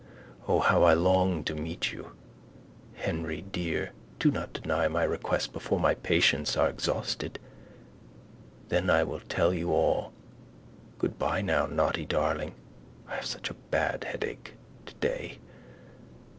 O how I long to meet you. Henry dear, do not deny my request before my patience are exhausted. Then I will tell you all. Goodbye now, naughty darling, I have such a bad headache. today.